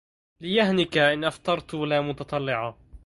ليهنك أن أفطرت لا متطلعا